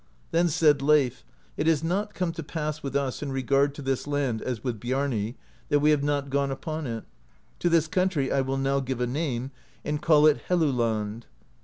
Then said Leif, *'\t has not come to pass with us in regard to this land as with Biarni, that we have not gone upon it. To this country I will now give a name, and call it Helluland.'